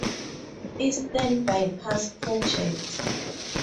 Eastern bypass project.